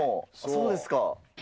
そうですか。